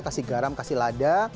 kasih garam kasih lada